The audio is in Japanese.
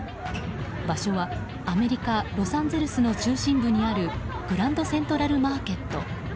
場所はアメリカ・ロサンゼルスの中心部にあるグランド・セントラル・マーケット。